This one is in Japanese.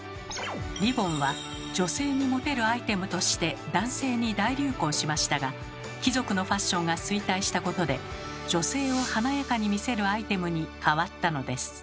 リボンは女性にモテるアイテムとして男性に大流行しましたが貴族のファッションが衰退したことで女性を華やかに見せるアイテムに変わったのです。